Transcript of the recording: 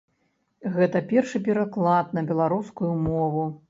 Гэта першы пераклад на беларускую мову.